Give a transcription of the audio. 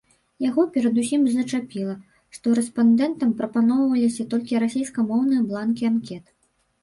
Яго перадусім зачапіла, што рэспандэнтам прапаноўваліся толькі расейскамоўныя бланкі анкет.